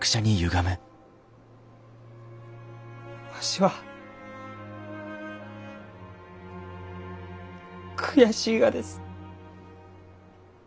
わしは悔しいがです。